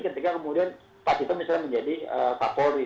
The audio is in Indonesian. ketika kemudian pak tito misalnya menjadi kapolri